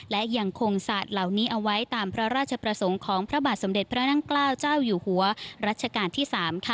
และยังคงศาสตร์เหล่านี้เอาไว้ตามพระราชประสงค์ของพระบาทสมเด็จพระนั่งเกล้าเจ้าอยู่หัวรัชกาลที่๓ค่ะ